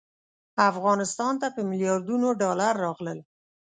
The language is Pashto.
افغانستان ته په میلیاردونو ډالر راغلل.